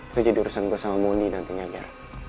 itu jadi urusan gue sama moni nantinya ger